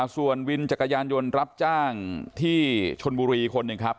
ส่วนวินจักรยานยนต์รับจ้างที่ชนบุรีคนหนึ่งครับ